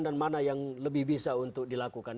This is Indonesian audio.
dan mana yang lebih bisa untuk dilakukan